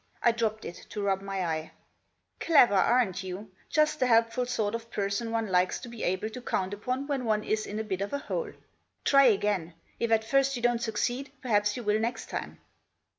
I dropped it, to rub my eye. " Clever, aren't you ? Just the helpful sort of person one likes to be able to count upon when one is in a bit of a hole. Try again ; if at first you don't succeed, perhaps you will next time."